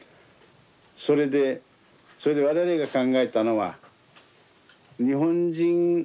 それでそれで我々が考えたのは日本人日本人側からね